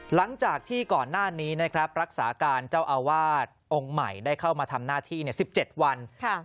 หลังจากที่ก่อนหน้านี้นะครับรักษาการเจ้าอาวาสองค์ใหม่ได้เข้ามาทำหน้าที่๑๗วัน